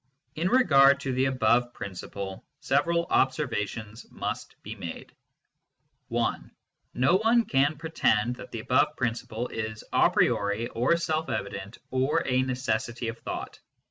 In regard to the above principle, several observations must be made (1) No one can pretend that the above principle is a priori or self evident or a " necessity of thought."